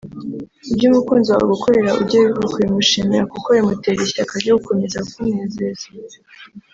Ibyo umukunzi wawe agukorera ujye wibuka kubimushimira kuko bimutera ishyaka ryo gukomeza kukunezeza